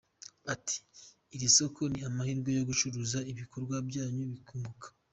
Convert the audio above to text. Ati “Iri soko ni amahirwe yo gucuruza ibikorwa byanyu bikunguka.